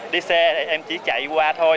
đi xe thì em chỉ chạy qua thôi